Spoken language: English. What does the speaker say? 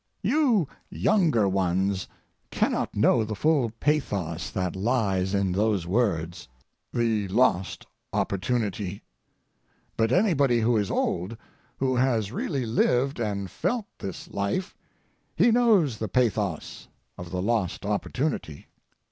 You younger ones cannot know the full pathos that lies in those words—the lost opportunity; but anybody who is old, who has really lived and felt this life, he knows the pathos of the lost opportunity.